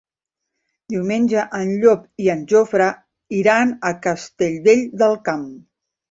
Diumenge en Llop i en Jofre iran a Castellvell del Camp.